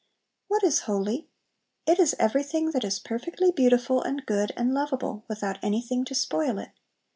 What is "holy"? It is everything that is perfectly beautiful and good and lovable, without anything to spoil it.